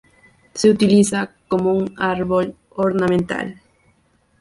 Se utiliza como un árbol ornamental.